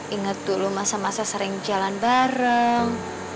ingat dulu masa masa sering jalan bareng